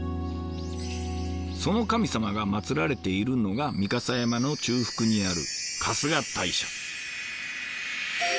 その神様がまつられているのが御蓋山の中腹にある春日大社。